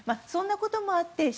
そんなこともあって